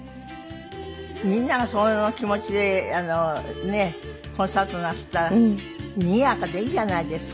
みんながその気持ちでコンサートなすったらにぎやかでいいじゃないですか。